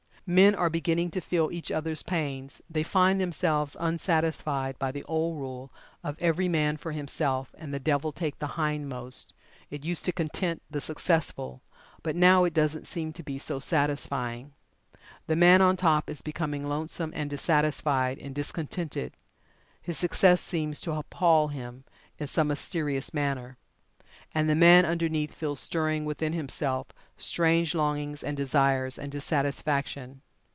Men are beginning to feel each other's pains they find themselves unsatisfied by the old rule of "every man for himself, and the devil take the hindmost" it used to content the successful, but now it doesn't seem to be so satisfying. The man on top is becoming lonesome, and dissatisfied, and discontented his success seems to appall him, in some mysterious manner. And the man underneath feels stirring within himself strange longings and desires, and dissatisfaction.